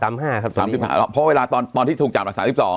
สามห้าครับสามสิบห้าเพราะเวลาตอนตอนที่ถูกจับอ่ะสามสิบสอง